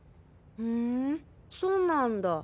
ふんそうなんだ。